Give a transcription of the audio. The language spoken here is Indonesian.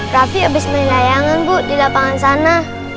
rafi abis main layangan di lapangan sana